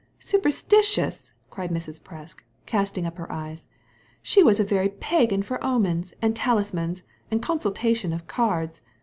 " Superstitious I " cried Mrs. Presk, casting up her eyes. " She was a very pagan for omens, and talis mans, and consultation of cards.